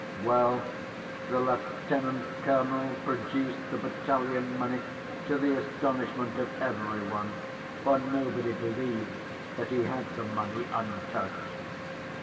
"Well, the lieutenant‐colonel produced the battalion money, to the astonishment of every one, for nobody believed that he had the money untouched.